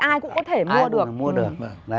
ai cũng có thể mua được